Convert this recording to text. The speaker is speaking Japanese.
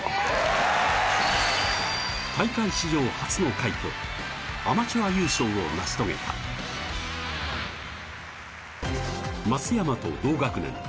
大会史上初の快挙アマチュア優勝を成し遂げた松山と同学年